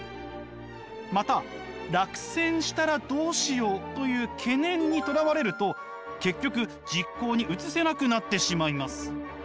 また落選したらどうしようという懸念にとらわれると結局実行に移せなくなってしまいます。